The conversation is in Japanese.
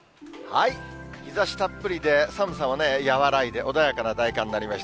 日ざしたっぷりで寒さは和らいで、穏やかな大寒になりました。